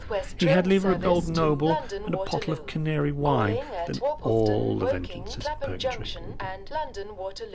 He had liever a gold noble and a pottle of canary wine than all the vengeances in purgatory."